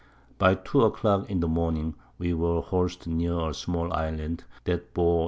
By 2 a Clock in the Morning we were hors'd near a small Island, that bore S.